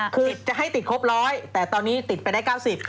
คือจะให้ติดครบ๑๐๐แต่ตอนนี้ติดไปได้๙๐